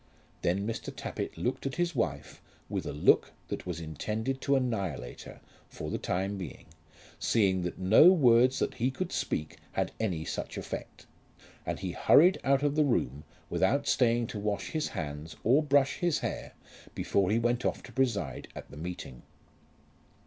Then Mr. Tappitt looked at his wife with a look that was intended to annihilate her, for the time being, seeing that no words that he could speak had any such effect, and he hurried out of the room without staying to wash his hands or brush his hair before he went off to preside at the meeting.